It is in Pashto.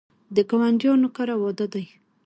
د ګاونډیانو کره واده دی